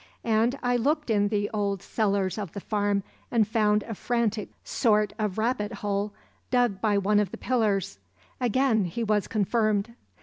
And I looked in the old cellars of the farm and found a frantic sort of rabbit hole dug by one of the pillars; again he was confirmed.